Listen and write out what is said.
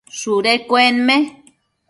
shudu cuenme